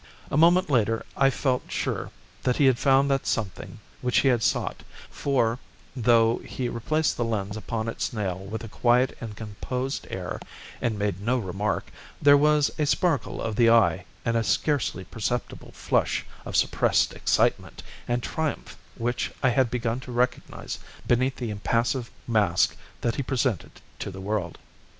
A moment later I felt sure that he had found that something which he had sought, for, though he replaced the lens upon its nail with a quiet and composed air and made no remark, there was a sparkle of the eye and a scarcely perceptible flush of suppressed excitement and triumph which I had begun to recognise beneath the impassive mask that he presented to the world.